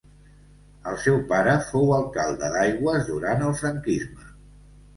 El seu pare fou alcalde d'Aigües durant el franquisme.